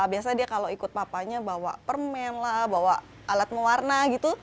biasanya dia kalau ikut papanya bawa permen lah bawa alat mewarna gitu